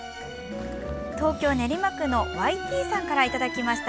東京・練馬区のＹ．Ｔさんからいただきました。